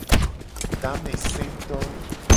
Tameseto.